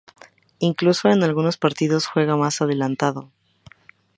Incluso en algunos partidos juega más adelantado.